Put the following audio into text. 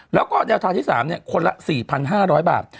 แล้วก็แนวทางที่๓คนละ๔๕๐๐บาท